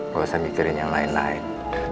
gak usah mikirin yang lain naik